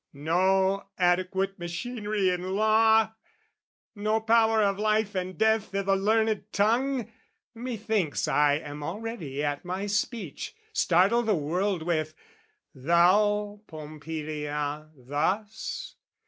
No adequate machinery in law? No power of life and death i' the learned tongue? Methinks I am already at my speech, Startle the world with "Thou, Pompilia, thus?